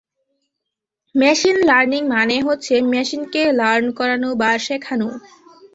Machine learning মানে হচ্ছে মেশিনকে লার্ন করানো বা শেখানো।